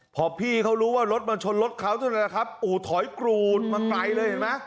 พอพี่เขารู้ว่ารถมาชนรถเขาที่ไหนล่ะครับอู๋ถอยกรูมาไกลเลยเห็นไหม